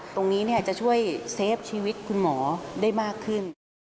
ตรงนี้จะช่วยเซฟชีวิตคุณหมอได้มากขึ้น